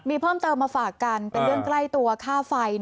มีเพิ่มเติมมาฝากกันเป็นเรื่องใกล้ตัวค่าไฟ